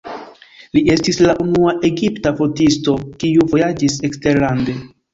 Li estis la unua egipta fotisto, kiu vojaĝis eksterlande.